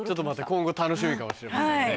今後楽しみかもしれませんね。